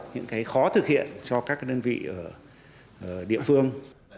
những khó thực hiện cho các đơn vị ở địa phương